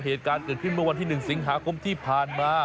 เหตุการณ์เกิดขึ้นเมื่อวันที่๑สิงหาคมที่ผ่านมา